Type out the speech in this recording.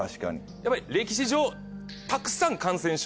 やっぱり歴史上たくさん感染症